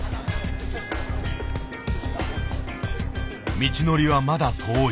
道のりはまだ遠い。